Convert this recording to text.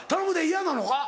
嫌なのか？